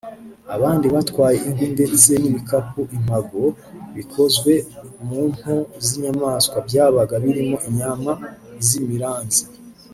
abandi batwaye inkwi ndetse n’ibikapu (impago) bikozwe mu mpu z’inyamaswa byabaga birimo inyama z’imiranzi